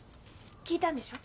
聞いたんでしょ？